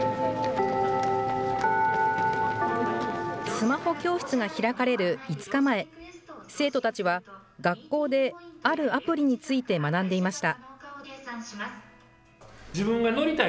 スマホ教室が開かれる５日前、生徒たちは学校であるアプリについて学んでいました。